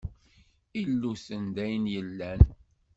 Illuten d ayen yellan.